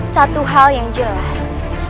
satu hal yang jelas